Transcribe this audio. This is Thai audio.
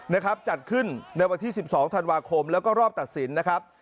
นะครับจัดขึ้นในวันที่๑๒ธันวาคมแล้วก็รอบตัดสินนะครับ